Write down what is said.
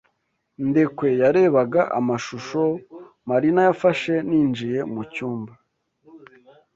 Ndekwe yarebaga amashusho Marina yafashe ninjiye mucyumba.